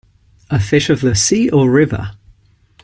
A fish of the sea or river?